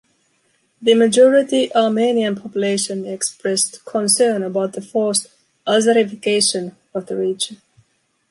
The majority Armenian population expressed concern about the forced "Azerification" of the region.